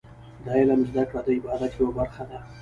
د علم زده کړه د عبادت یوه برخه ده.